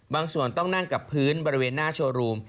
บางส่วนต้องนั่งกับพื้นบริเวณหน้าโชว์รูม